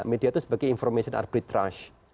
media itu sebagai information arbitrust